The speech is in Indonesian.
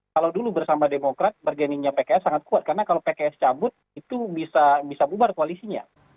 kalau dulu bersama demokrat bargainingnya pks sangat kuat karena kalau pks cabut itu bisa bubar koalisinya